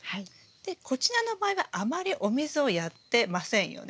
でこちらの場合はあまりお水をやってませんよね。